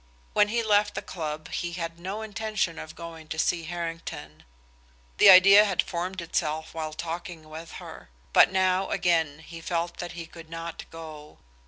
When he left the club he had had no intention of going to see Harrington; the idea had formed itself while talking with her. But now, again, he felt that he could not go.